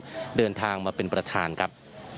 ก็เดินทางมาเป็นประธานครับ